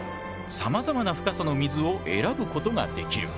さまざまな深さの水を選ぶことができる。